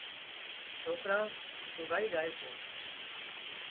سوڪران اونگھائي زائي سي